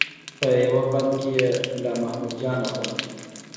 په یوه بند کې یې ملا محمد جان اخوند.